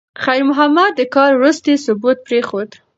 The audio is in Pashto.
خیر محمد د کار وروستی ثبوت پرېښود.